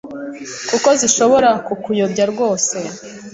kuko zishobora kukuyobya rwose.